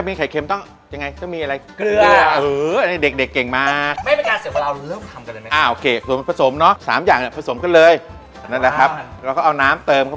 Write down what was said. เสร็จแล้วเราก็เอาไข่มา